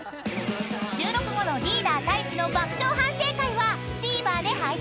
［収録後のリーダー太一の爆笑反省会はＴＶｅｒで配信］